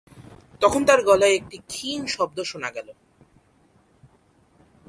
তখন তার গলায় একটা ক্ষীণ শব্দ শোনা গেল।